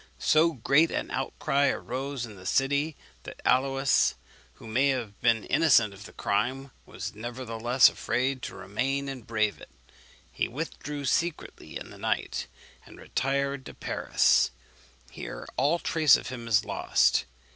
So great an outcry arose in the city, that Aluys, who may have been innocent of the crime, was nevertheless afraid to remain and brave it. He withdrew secretly in the night, and retired to Paris. Here all trace of him is lost.